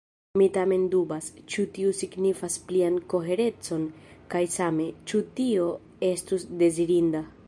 Mi tamen dubas, ĉu tio signifas plian koherecon, kaj same, ĉu tio estus dezirinda.